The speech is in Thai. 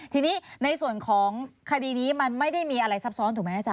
ทีนี้ในส่วนของคดีนี้มันไม่ได้มีอะไรซับซ้อนถูกไหมอาจาร